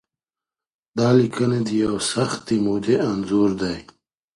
دا لیکنې د یوې سختې مودې انځور دی.